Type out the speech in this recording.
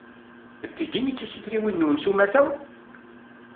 D tigi i d tisutriwin-nwen s umata?